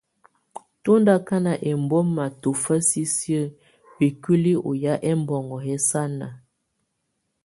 Tù bdɔ̀ ɔkana ɛmbɔ̀má tɔ̀fa sisiǝ́ ikuili ɔ́ yá ɛbɔŋɔ yɛ́ sa nàà.